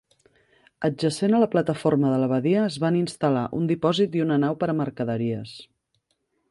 Adjacent a la plataforma de la badia es van instal·lar un dipòsit i una nau per a mercaderies.